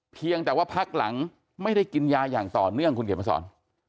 เพียงแต่ว่าพักหลังไม่ได้กินยาอย่างต่อเนื่องคุณเขียนมาสอน